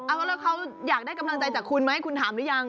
เอาแล้วเขาอยากได้กำลังใจจากคุณไหมคุณถามหรือยัง